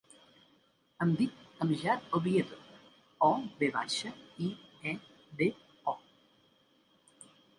Em dic Amjad Oviedo: o, ve baixa, i, e, de, o.